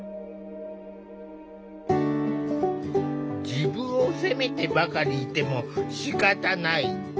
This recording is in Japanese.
自分を責めてばかりいてもしかたない。